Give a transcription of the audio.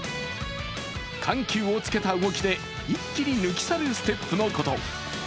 緩急を付けた動きで、一気に抜き去るステップのこと。